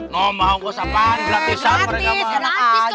nambah ongkos apaan gratisan mereka mah anak aja